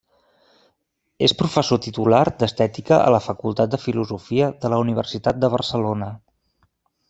És professor titular d'Estètica a la Facultat de Filosofia de la Universitat de Barcelona.